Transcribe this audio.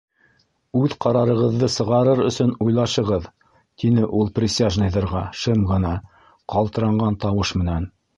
—Үҙ ҡарарығыҙҙы сығарыр өсөн уйлашығыҙ, —тине ул при- сяжныйҙарға шым ғына, ҡалтыранған тауыш менән.